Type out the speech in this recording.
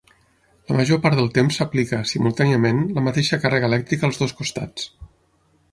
La major part del temps s'aplica, simultàniament, la mateixa càrrega elèctrica als dos costats.